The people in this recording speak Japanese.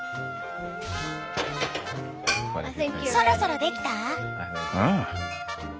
そろそろできた？